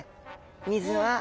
水は。